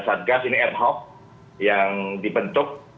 satgas ini ad hoc yang dibentuk